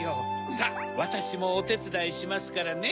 さぁわたしもおてつだいしますからね。